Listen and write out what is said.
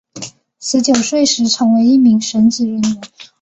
十九岁时成为了一名神职人员。